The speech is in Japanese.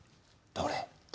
どれ？